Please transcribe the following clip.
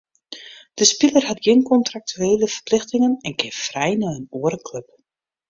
De spiler hat gjin kontraktuele ferplichtingen en kin frij nei in oare klup.